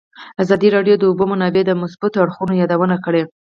ازادي راډیو د د اوبو منابع د مثبتو اړخونو یادونه کړې.